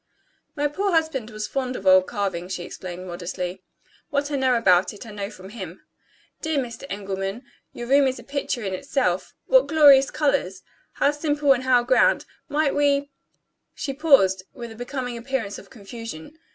"My poor husband was fond of old carving," she explained modestly; "what I know about it, I know from him. Dear Mr. Engelman, your room is a picture in itself. What glorious colors! How simple and how grand! Might we " she paused, with a becoming appearance of confusion.